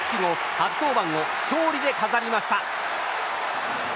初登板を勝利で飾りました。